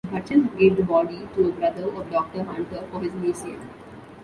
Butchell gave the body to a brother of doctor Hunter for his museum.